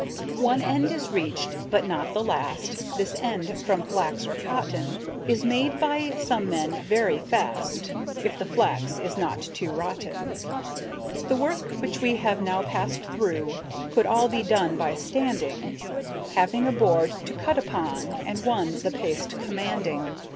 One end is reached, but not the last; This end from flax or cotton Is made by some men very fast, If the flax is not too rotten. The work which we have now passed through Could all be done by standing, Having a board to cut upon, And one the paste commanding.